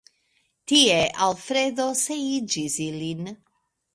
Tie Alfredo sieĝis ilin.